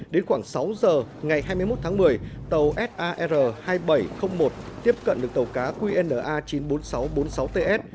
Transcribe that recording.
đến khoảng sáu giờ ngày hai mươi một tháng một mươi tàu sar hai nghìn bảy trăm linh một tiếp cận được tàu cá qna chín mươi bốn nghìn sáu trăm bốn mươi sáu ts